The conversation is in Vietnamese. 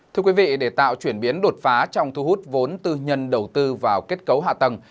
thưa quý vị để tạo chuyển biến đột phá trong thu hút vốn tư nhân đầu tư vào kết cấu hạ tầng